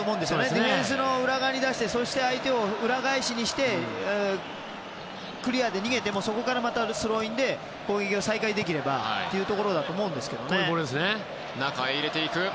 ディフェンスの裏側に出してそして相手を裏返しにしてクリアで逃げてもそこからまたスローインで攻撃再開できればというところだと思います。